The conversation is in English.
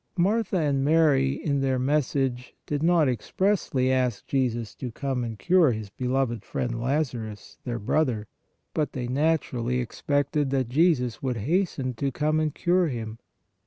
Martha and Mary in their message did not expressly ask Jesus to come and cure His beloved friend Lazarus, their brother, but they naturally expected, that Jesus would hasten to come and cure him.